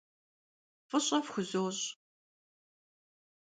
F'ış'e fxuzoş'.